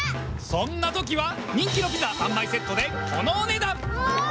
そんな時は人気のピザ３枚セットでこのお値段！